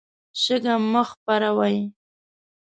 شګه مه خپروئ.